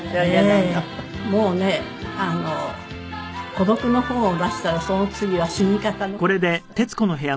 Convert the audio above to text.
孤独の本を出したらその次は死に方の本でしたよ。